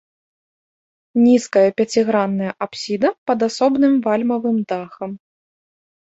Нізкая пяцігранная апсіда пад асобным вальмавым дахам.